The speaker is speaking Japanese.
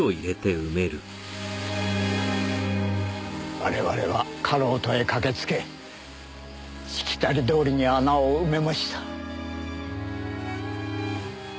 我々はかろうとへ駆けつけしきたりどおりに穴を埋めました。